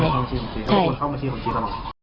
โอนเข้าบัญชีของเจเขาบอก